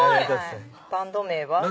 バンド名は？